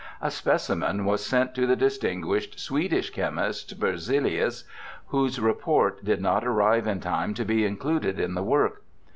A specimen was A BACKWOOD PHYSIOLOGIST 175 sent to the distinguished Swedish chemist, Berzelius, whose report did not arrive in time to be included in the work.